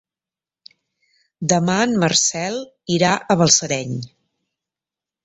Demà en Marcel irà a Balsareny.